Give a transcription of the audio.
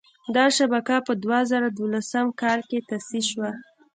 دا شبکه په دوه زره دولسم کال کې تاسیس شوه.